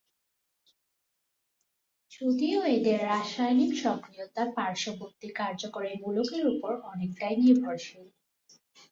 যদিও এদের রাসায়নিক সক্রিয়তা পার্শ্ববর্তী কার্যকরী মূলকের ওপর অনেকটাই নির্ভরশীল।